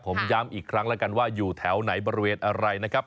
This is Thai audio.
ผมย้ำอีกครั้งแล้วกันว่าอยู่แถวไหนบริเวณอะไรนะครับ